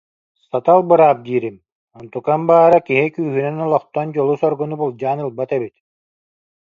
Сатал быраап диирим, онтукам баара киһи күүһүнэн олохтон дьолу-соргуну былдьаан ылбат эбит.